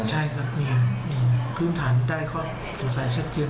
ใช่ครับเนี่ยมีพื้นฐานได้ก็สงสัยชัดเจน